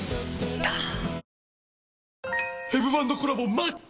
ドーン！